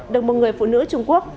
được một người phụ nữ trung quốc